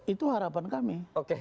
itu harapan kami